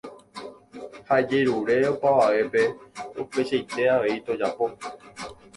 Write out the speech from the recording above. Ha ejerure opavavépe upeichaite avei tojapo.